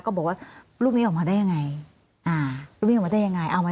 ก็บอกว่ารูปนี้ออกมาได้ยังไงอ่าลูกนี้ออกมาได้ยังไงเอามา